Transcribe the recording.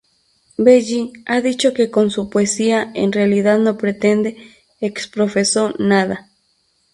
Belli ha dicho que con su poesía en realidad no pretende "ex profeso nada".